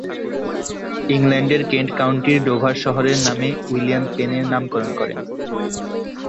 ইংল্যান্ডের কেন্ট কাউন্টির ডোভার শহরের নামে উইলিয়াম পেন এর নামকরণ করেন।